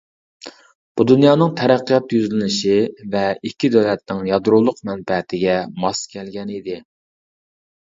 بۇ دۇنيانىڭ تەرەققىيات يۈزلىنىشى ۋە ئىككى دۆلەتنىڭ يادرولۇق مەنپەئەتىگە ماس كەلگەن ئىدى.